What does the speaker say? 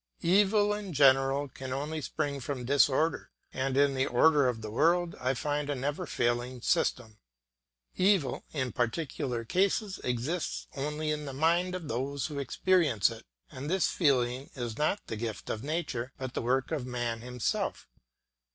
Evil in general can only spring from disorder, and in the order of the world I find a never failing system. Evil in particular cases exists only in the mind of those who experience it; and this feeling is not the gift of nature, but the work of man himself.